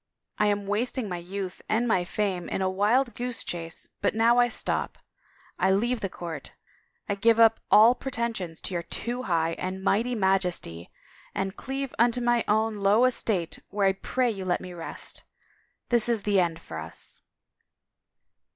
I am wasting my youth and my fame in a wild goose chase but now I stop. I leave the court, I give up all pretensions to your Too High and Mighty Majesty and cleave unto my own low estate where I pray you let me rest. ... This is the end for us."